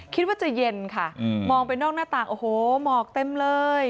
คิดว่าจะเย็นค่ะมองไปนอกหน้าต่างโอ้โหหมอกเต็มเลย